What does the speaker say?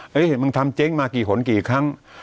เฮ้ยมึงทำเจ๊งมากี่หนกี่ครั้ง